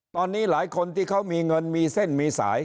ตอนนี้หลายคนที่เขามีเงินมีเส้นมีสาย